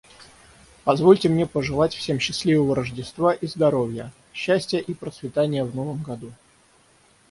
Позвольте мне пожелать всем счастливого Рождества и здоровья, счастья и процветания в новом году.